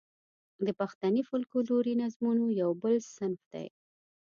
د پښتني فوکلوري نظمونو یو بل صنف دی.